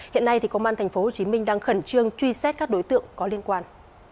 hiện nay công an tp hcm đang khẩn trương truy xét các đối tượng có liên quan